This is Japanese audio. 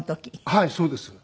はいそうです。